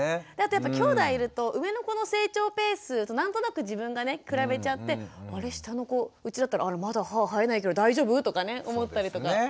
あとやっぱきょうだいいると上の子の成長ペースと何となく自分がね比べちゃってあれ下の子うちだったらあれまだ歯生えないけど大丈夫？とかね思ったりとか。